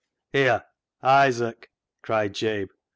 " Here, Isaac !" cried Jabe.